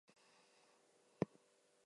He spent his youth in Stifford.